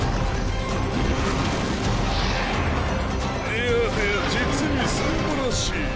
いやはや実にすんばらしい。